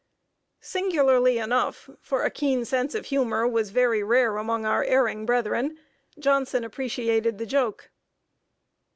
Singularly enough for a keen sense of humor was very rare among our "erring brethren" Johnson appreciated the joke.